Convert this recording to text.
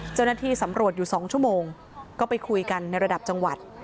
เจ้าหน้าที่สำรวจอยู่๒ชั่วโมงก็ไปคุยกันในระดับจังหวัด